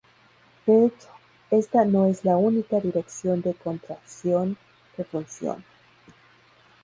De hecho, esta no es la única dirección de contracción que funciona.